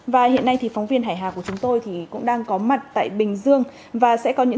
và hiện nay thì phóng viên hải hà của chúng tôi thì cũng đang có mặt tại bình dương và sẽ có những